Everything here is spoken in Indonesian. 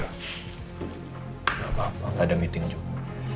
tidak apa apa nggak ada meeting juga